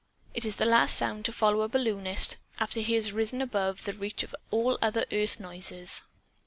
It is the last sound to follow a balloonist, after he has risen above the reach of all other earth noises.